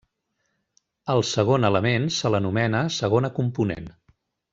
Al segon element se l'anomena segona component.